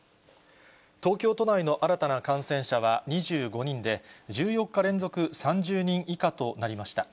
東京都内の新たな感染者は２５人で、１４日連続３０人以下となりました。